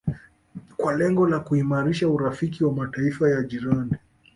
kwa lengo la kuimarisha urafiki na Mataifa ya jirani